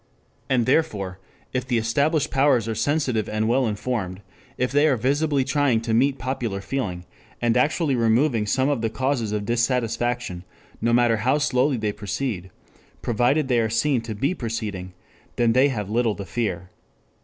And therefore, if the established powers are sensitive and well informed, if they are visibly trying to meet popular feeling, and actually removing some of the causes of dissatisfaction, no matter how slowly they proceed, provided they are seen to be proceeding, they have little to fear.